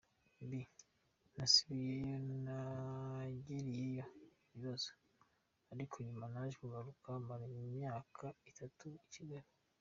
B: Nasubiyeyo, nagiriyeyo ibibazo, ariko nyuma naje kugaruka mara imyaka itatu i Kigali.